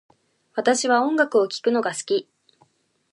私は音楽を聴くのが好き